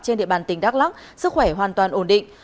trên địa bàn tỉnh đắk lắc sức khỏe hoàn toàn ổn định